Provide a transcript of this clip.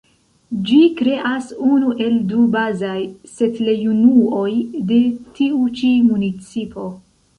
Ĝi kreas unu el du bazaj setlejunuoj de tiu ĉi municipo.